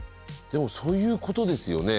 でもそういうことですよね。